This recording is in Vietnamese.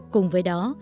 cùng với đó